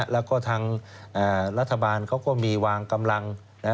แล้วก็ทางรัฐบาลเขาก็มีวางกำลัง